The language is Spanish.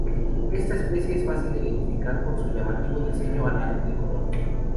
Esta especie es fácil de identificar por su llamativo diseño alar tricolor.